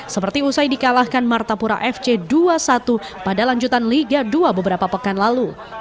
seperti usai dikalahkan martapura fc dua puluh satu pada lanjutan liga dua beberapa pekan lalu